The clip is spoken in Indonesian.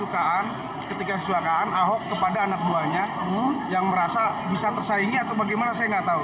ketika kesukaan ahok kepada anak buahnya yang merasa bisa tersaingi atau bagaimana saya nggak tahu